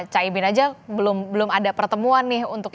caimin aja belum ada pertemuan nih untuk